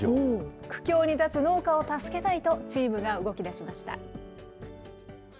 苦境に立つ農家を助けたいと、チームが動きだしました。